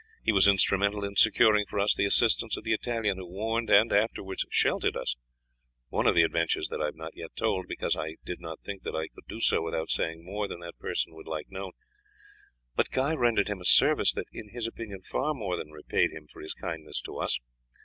He was instrumental in securing for us the assistance of the Italian who warned and afterwards sheltered us one of the adventures that I have not yet told, because I did not think that I could do so without saying more than that person would like known; but Guy rendered him a service that in his opinion far more than repaid him for his kindness to us.